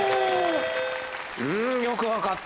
うん！よくわかった。